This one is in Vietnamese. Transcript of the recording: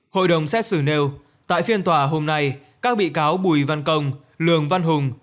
hội đồng xét xử nêu tại phiên tòa hôm nay các bị cáo bùi văn công lường văn hùng